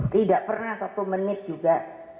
tidak pernah satu menit juga